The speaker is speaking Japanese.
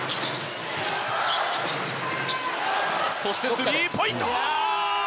スリーポイント！